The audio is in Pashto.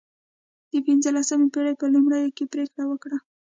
د پنځلسمې پېړۍ په لومړیو کې پرېکړه وکړه.